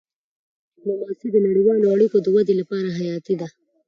ډيپلوماسي د نړیوالو اړیکو د ودي لپاره حیاتي ده.